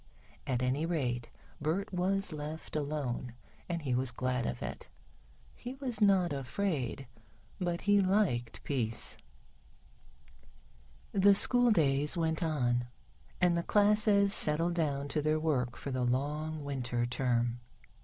At any rate, Bert was left alone and he was glad of it. He was not afraid, but he liked peace. The school days went on, and the classes settled down to their work for the long Winter term.